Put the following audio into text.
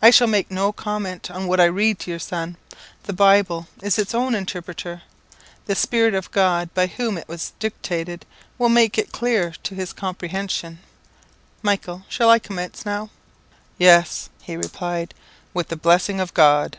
I shall make no comment on what I read to your son. The Bible is its own interpreter. The Spirit of God, by whom it was dictated, will make it clear to his comprehension. Michael, shall I commence now?" "Yes," he replied, "with the blessing of God!"